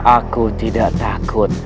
aku tidak takut